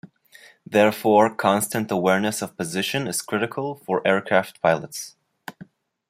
Therefore, constant awareness of position is critical for aircraft pilots.